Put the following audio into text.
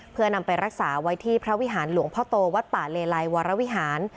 เพื่อนำไปรักษาไว้ที่พระวิหารหลวงพ่อโตวัดป่าเลไลวรวิหาร